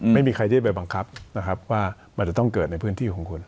ไม่มีใครที่จะไปบังคับนะครับว่ามันจะต้องเกิดในพื้นที่ของคุณ